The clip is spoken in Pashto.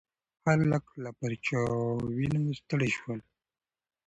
خلک له پرچاوینو ستړي شول.